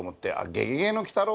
「ゲゲゲの鬼太郎」。